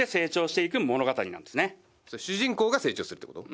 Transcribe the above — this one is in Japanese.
それ主人公が成長するってこと？